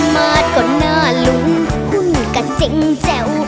มัดก็หน้าหลุงหุ้นกระเจ็งแจ่ว